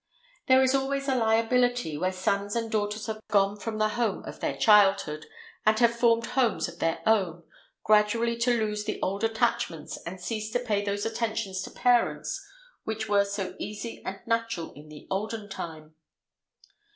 There is always a liability, where sons and daughters have gone from the home of their childhood, and have formed homes of their own, gradually to lose the old attachments and cease to pay those attentions to parents which were so easy and natural in the olden time.